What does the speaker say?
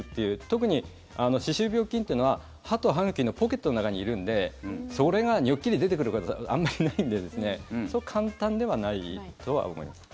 特に歯周病菌というのは歯と歯茎のポケットの中にいるんでそれがニョッキリ出てくるかといったらあんまりないんでそう簡単ではないと思います。